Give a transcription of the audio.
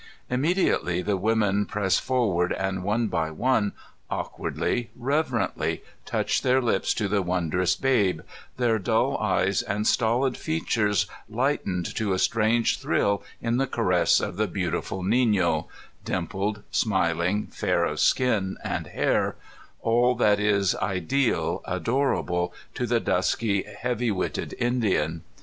Immediately the women press forward and, one by one, awkwardly, reverently, touch their lips to the wondrous Babe, their dull eyes and stolid features light ened to a strange thrill in the caress of the beautiful NiOo, dimpled, smiling, fair of skin and hair, — all that is ideal, adorable, to the dusky, heavy witted Indian.